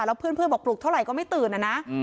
แล้วเพื่อนบอกปลุกเท่าไหร่ก็ไม่ตื่นนะ